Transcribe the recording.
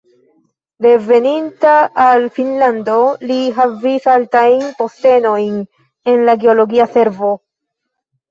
Reveninta al Finnlando li havis altajn postenojn en la geologia servo.